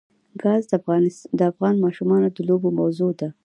ګاز د افغان ماشومانو د لوبو موضوع ده.